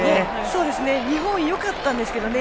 日本よかったんですけどね